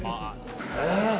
え？